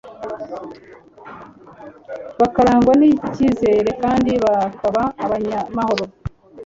bakarangwa n’icyizere kandi bakaba abanyamahoro